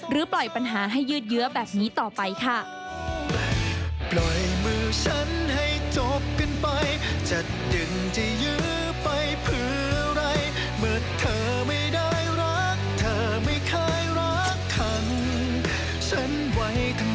ปล่อยปัญหาให้ยืดเยื้อแบบนี้ต่อไปค่ะ